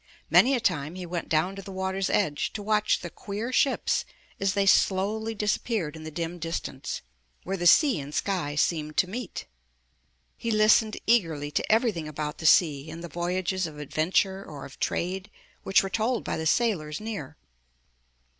Many a time he went down to the water's edge to watch the queer ships as they slowly disappeared in the dim distance, where the sea and sky seemed to meet. He listened eagerly to everything about the sea and the voyages of adventure or of trade, which were told by the sailors near.